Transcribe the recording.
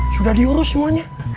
sudah diurus semuanya